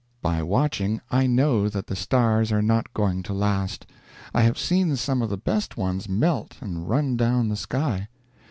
By watching, I know that the stars are not going to last. I have seen some of the best ones melt and run down the sky.